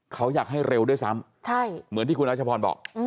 เขาอยากให้เร็วด้วยซ้ำเหมือนที่คุณรัชพรบอก